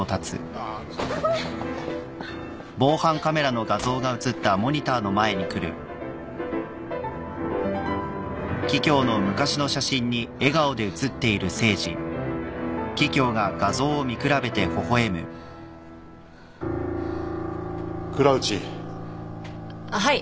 あっはい。